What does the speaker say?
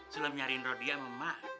selalu nyari robby sama ma